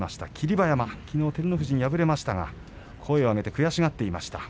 馬山きのう照ノ富士に敗れましたが声を上げて悔しがっていました。